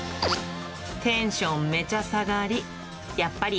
テンションめちゃ下がり。